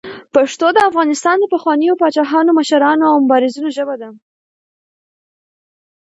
پښتو د افغانستان د پخوانیو پاچاهانو، مشرانو او مبارزینو ژبه ده.